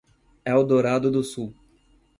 Eldorado do Sul